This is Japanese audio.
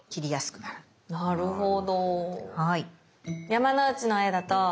なるほど。